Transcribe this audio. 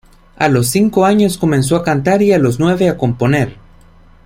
A los cinco años comenzó a cantar, y a los nueve a componer.